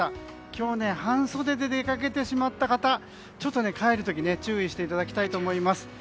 今日、半袖で出かけてしまった方帰る時注意していただきたいと思います。